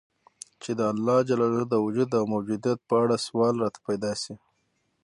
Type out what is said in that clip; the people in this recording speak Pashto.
چي د الله د وجود او موجودیت په اړه سوال راته پیدا سي